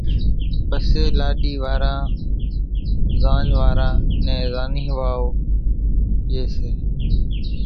پسيَ لاڏِي واران زاڃ واران نين زانِي واۿو ڄيَ سي۔